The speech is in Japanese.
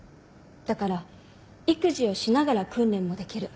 だから育児をしながら訓練もできる。